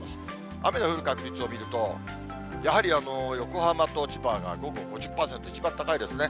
雨の降る確率を見ると、やはり横浜と千葉が午後５０％、一番高いですね。